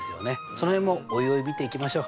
その辺もおいおい見ていきましょう。